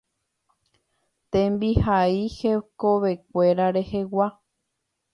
Tembihai hekovekue rehegua.